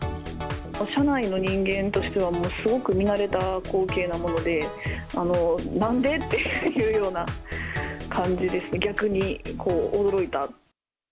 社内の人間としては、もうすごく見慣れた光景なもので、なんで？っていうような感じですね、逆に驚いた。